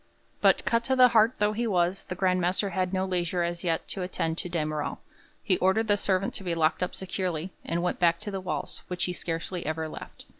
But cut to the heart though he was, the Grand Master had no leisure as yet to attend to de Merall; he ordered the servant to be locked up securely, and went back to the walls, which he scarcely ever left.